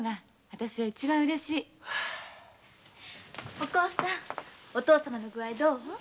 おこうさんお父様の具合どう？